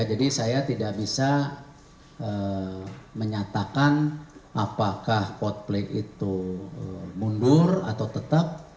jadi saya tidak bisa menyatakan apakah coldplay itu mundur atau tetap